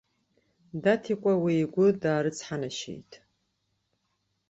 Даҭикәа уи игәы даарыцҳанашьеит.